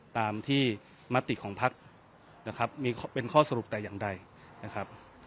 ตามที่มติของพักนะครับมีเป็นข้อสรุปแต่อย่างใดนะครับ